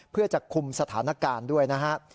เพื่อจะคุมสถานการณ์ด้วยนะครับ